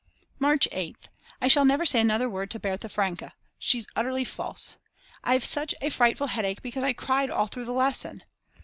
March 8th. I shall never say another word to Berta Franker she's utterly false. I've such a frightful headache because I cried all through the lesson.